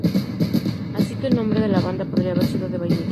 Así que el nombre de la banda podría haber sido de Vainilla.